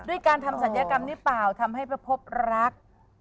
ด้วยการทำศัลยกรรมนี้เปล่าทำให้ประพบรัก